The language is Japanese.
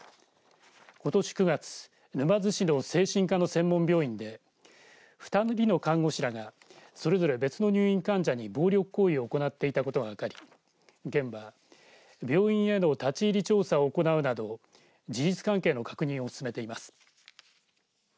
ことし９月沼津市の精神科の専門病院で２人の看護師らがそれぞれ別の入院患者に暴力行為を行っていたことが分かり県は病院への立ち入り調査を行うなど事実関係の確認を進めています。